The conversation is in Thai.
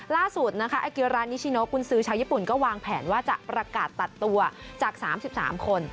ล่าสุดนะคะอาเกียรานิชิโนกุญซือชาวญี่ปุ่นก็วางแผนว่าจะประกาศตัดตัวจาก๓๓คน